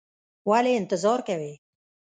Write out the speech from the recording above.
ولې انتظار کوې؟